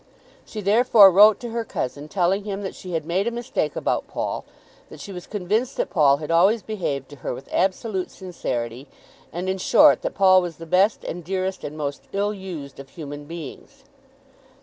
She therefore wrote to her cousin, telling him that she had made a mistake about Paul, that she was convinced that Paul had always behaved to her with absolute sincerity, and, in short, that Paul was the best, and dearest, and most ill used of human beings.